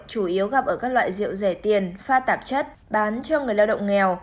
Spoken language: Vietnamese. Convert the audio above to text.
chủ yếu gặp ở các loại rượu rẻ tiền pha tạp chất bán cho người lao động nghèo